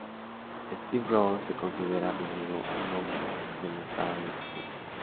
Steve Ross se considera a menudo un hombre "adelantado" de su tiempo.